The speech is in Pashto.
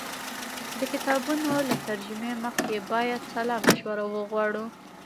د کتابونو له ترجمې مخکې باید سلا مشوره وغواړو.